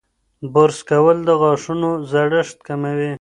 برس کول د غاښونو زړښت کموي.